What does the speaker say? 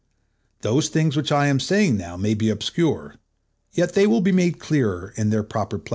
Those things which I am saying now may be obscure, yet they will be made clearer in their proper place.